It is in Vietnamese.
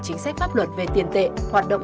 chính sách pháp luật về tiền tệ hoạt động